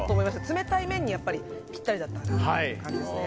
冷たい麺にぴったりだった感じですね。